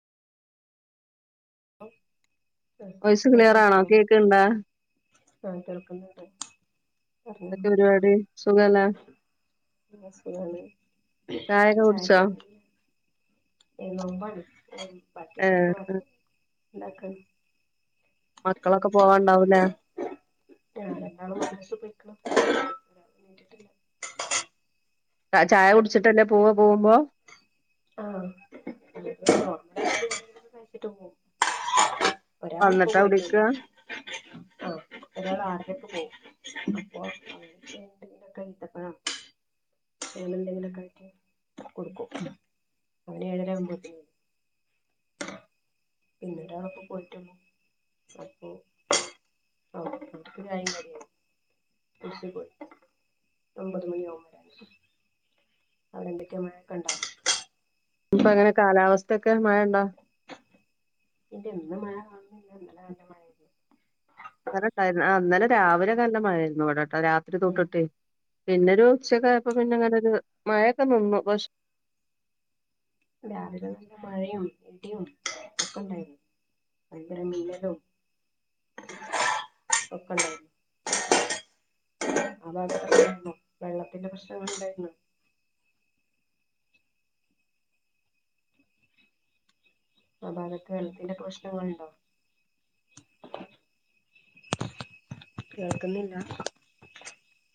Voice clear ആണോ കേൾക്കുന്നില്ലേ. കേക്ക്ണ്ടാ ആഹ് കേൾക്കുന്നുണ്ട്. എന്തൊക്കെ പറഞ്ഞോളൂ പരിപാടി. സുഖന്നേ പിള്ളേർ സ്‌കൂളിന്ന് വന്നു. ചായൊക്കെ ചായ കുടിച്ചോ പരിപാടി. ഏയോമ്പാണ്. ഇപ്പാക്ക് [unintelligible] ഏഹ് വേണ്ടി ഉണ്ടാക്കാണ് മക്കളൊക്കെ പോവാണ്ടാവൂലേ പിക്കട്ടില്ല [inaudible] ചായ കുടിച്ചിട്ടല്ലേ പോവുക. പോകുമ്പോ ആഹ്. [inaudible] കഴിച്ചിട്ട് പോകും ഒരാൾ ഇപ്പോ വന്നിട്ടാ പോയിട്ടു ഉള്ളു. കുടിക്കാ ആ ഒരാൾ ആറരക്ക് പോകും. അപ്പം ഈത്തപ്പഴം വേറെ എന്തെങ്കിലൊക്കെ ആക്കി കൊടുക്കും ഇവിടെ ഏഴര ആവുമ്പത്തേക്കും പോവും ഇവിടെ ഇപ്പം പോയിട്ടുള്ളൂ ബാക്കി നമക്ക് ചായയും കടിയും ഒമ്പത് മണിയാവും വരാന്. അവിടെ എന്തൊക്കെയാ മഴയൊക്കെ ഉണ്ടോ ഇപ്പ എങ്ങനെ കാലാവസ്ഥയൊക്കെ മഴയുണ്ടോ. പിന്നെ ഇന്ന്. മഴ കാണന്നില്ല. ഇന്നലെ നല്ല മഴയായിരുന്നു. ഇന്നലെ ഇണ്ടായിരുന്നു ഇന്നലെ രാവിലെ നല്ല മഴയായിരുന്നു. ഇവിടോട്ടോ രാത്രി തൊട്ടിട്ടെ. പിന്നെ ഒരു ഉച്ച ആയപ്പോ പിന്നെ അങ്ങനെ ഒരു മഴയൊക്കെ നിന്നു. രാവിലെ തുടങ്ങി മഴയും ഇടിയും ഒക്കെ ഉണ്ടായി. വയക്കര മിന്നലും ഒക്കെ ഉണ്ടായി. അതാത് പ്രശ്നമായിരുന്നു. വെള്ളത്തിന്റെ പ്രശ്നങ്ങൾ ഉണ്ടായിരുന്നു. ആ ഭാഗത്ത് വെള്ളത്തിന്റെ പ്രശ്നങ്ങൾ ഉണ്ടോ. കേൾക്കുന്നില്ല.